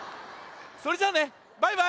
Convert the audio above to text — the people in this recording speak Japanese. それじゃあねバイバイ！